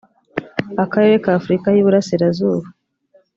akarere k’afurika y’iburasirazuba